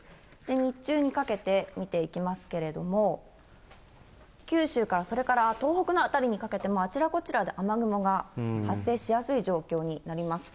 日中にかけて見ていきますけれども、九州、それから東北の辺りにかけてもあちらこちらで雨雲が発生しやすい状況になります。